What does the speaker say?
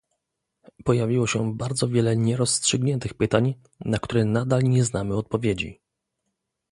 Pojawiło się bardzo wiele nierozstrzygniętych pytań, na które nadal nie znamy odpowiedzi